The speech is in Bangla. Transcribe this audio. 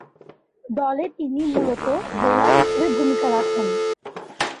দলে তিনি মূলতঃ বোলার হিসেবে ভূমিকা রাখেন।